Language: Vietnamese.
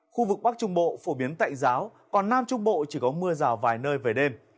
khu vực bắc trung bộ phổ biến tạnh giáo còn nam trung bộ chỉ có mưa rào vài nơi về đêm